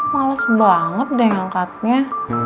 males banget deh angkatnya